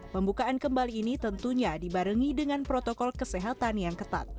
pembukaan kembali ini tentunya dibarengi dengan protokol kesehatan yang ketat